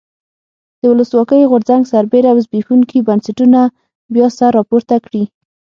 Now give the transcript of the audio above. د ولسواکۍ غورځنګ سربېره زبېښونکي بنسټونه بیا سر راپورته کړي.